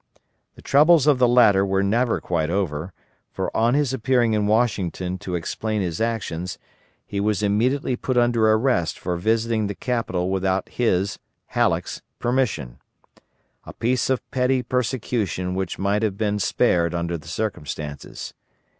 The troubles of the latter were not quite over, for on his appearing in Washington to explain his action, he was immediately put under arrest for visiting the Capital without his (Halleck's) permission; a piece of petty persecution which might have been spared under the circumstances.